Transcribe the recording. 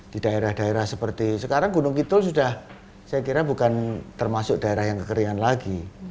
di daerah daerah seperti sekarang gunung kidul sudah saya kira bukan termasuk daerah yang kekeringan lagi